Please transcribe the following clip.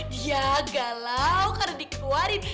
dia galau karena dikeluarin